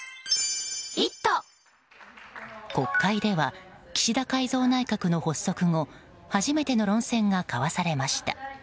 国会では岸田改造内閣の発足後初めての論戦が交わされました。